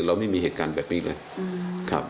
เราไม่มีเหตุการณ์แบบนี้เลยครับ